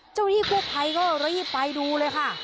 เจ้าที่พวกใครก็รีบไปดูเลยค่ะ